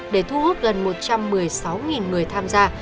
để thu hút gần một trăm một mươi sáu người tham gia